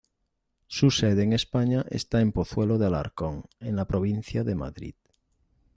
Su sede en España está en Pozuelo de Alarcón, en la provincia de Madrid.